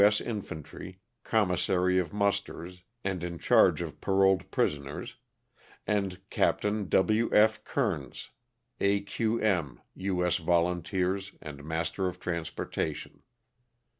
S. Infantry, commissary of musters, and in charge of paroled prisoners, and Capt. W. F. Kernes, A. Q. M., U. S. Volunteers, and master of transportation.